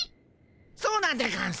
そうなんでゴンス。